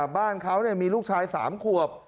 บ้านเขามีลูกชาย๓ขวบ